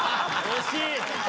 惜しいな。